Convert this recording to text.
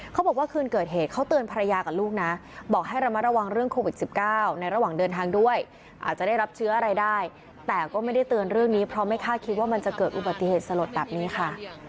เขาบอกว่าคืนเกิดเหตุเขาเตือนภรรยากับลูกนะบอกให้ระมัดระวังเรื่องโควิด๑๙ในระหว่างเดินทางด้วยอาจจะได้รับเชื้ออะไรได้แต่ก็ไม่ได้เตือนเรื่องนี้เพราะไม่คาดคิดว่ามันจะเกิดอุบัติเหตุสลดแบบนี้ค่ะ